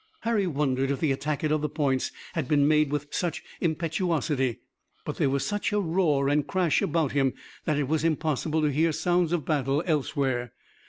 Harry wondered if the attack at other points had been made with such impetuosity, but there was such a roar and crash about him that it was impossible to hear sounds of battle elsewhere.